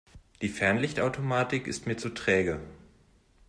Die Fernlichtautomatik ist mir zu träge.